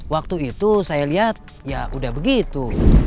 waktu itu saya lihat ya udah begitu